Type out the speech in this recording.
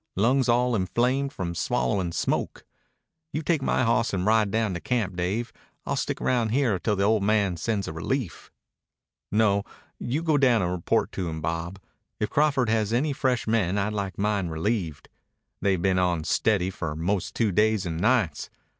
Lungs all inflamed from swallowin' smoke.... You take my hawss and ride down to camp, Dave. I'll stick around here till the old man sends a relief." "No, you go down and report to him, Bob. If Crawford has any fresh men I'd like mine relieved. They've been on steady for 'most two days and nights.